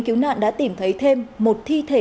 cứu nạn đã tìm thấy thêm một thi thể